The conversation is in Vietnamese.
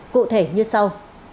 cụ thể như sau